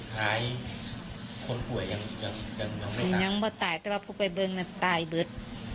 ถ้าให้คนป่วยต้องตายตะเบิกตายเบิด